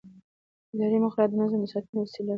اداري مقررات د نظم د ساتنې وسیله ده.